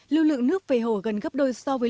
lưu lượng nước về hồ gần gấp đôi so với lưu lượng nước